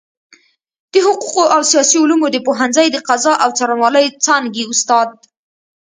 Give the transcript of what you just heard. د حقوقو او سياسي علومو د پوهنځۍ د قضاء او څارنوالۍ څانګي استاد